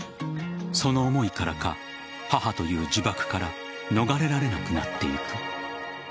その思いからか母という呪縛から逃れられなくなっていく。